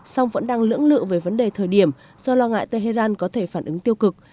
song vẫn đang lưỡng lự về vấn đề thời điểm do lo ngại tehran có thể phản ứng tiêu cực